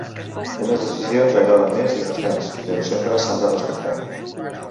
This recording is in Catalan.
Unes decisions agraden més i unes menys, però sempre s’han de respectar.